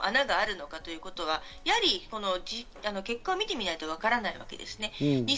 どこに穴があるかというのはやはり結果を見てみないと、わからないわけです。